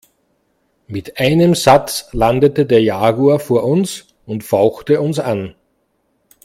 Mit einem Satz landete der Jaguar vor uns und fauchte uns an.